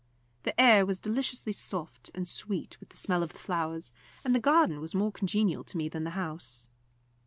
The air was deliciously soft and sweet with the smell of the flowers, and the garden was more congenial to me than the house.